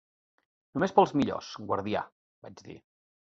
"Només per als millors, guardià", vaig dir.